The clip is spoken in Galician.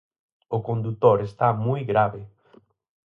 O condutor está moi grave.